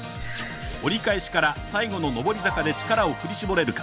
折り返しから最後の上り坂で力を振り絞れるか。